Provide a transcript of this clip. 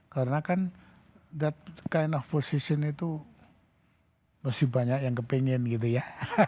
karena kan that kind of position itu masih banyak yang kepingin gitu ya